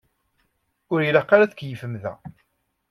Ur ilaq ara ad tkeyyfem da.